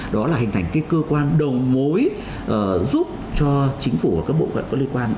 đó là hình thành cơ quan đồng mối giúp cho chính phủ